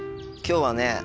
今日はね